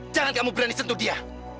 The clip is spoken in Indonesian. jangan kamu berani sentuh dia